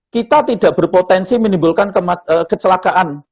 kita tidak berpotensi menimbulkan kecelakaan